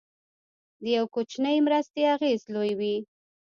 د یو کوچنۍ مرستې اغېز لوی وي.